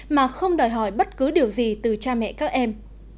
mà không đòi hỏi bất cứ điều gì từ cha mẹ các em